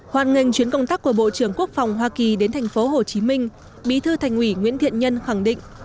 hoàn ngành chuyến công tác của bộ trưởng quốc phòng hoa kỳ đến tp hcm bí thư thành ủy nguyễn thiện nhân khẳng định